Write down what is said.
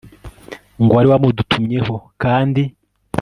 ngo wari wamudutumyeho kandi